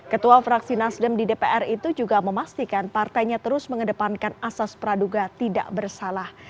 ketua fraksi nasdem di dpr itu juga memastikan partainya terus mengedepankan asas praduga tidak bersalah